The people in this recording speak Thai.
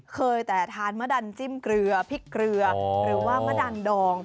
เคยแต่ทานมะดันจิ้มเกลือพริกเกลือหรือว่ามะดันดอง